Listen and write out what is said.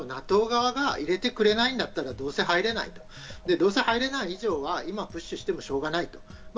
ＮＡＴＯ側が入れてくれないんだったらどうせ入れない、どうせ入れない以上は今プッシュしてもしょうがない。